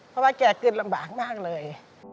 เพราะว่าแกเกิดลำบากมากเลย